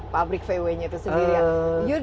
pabrik vw nya itu sendiri ya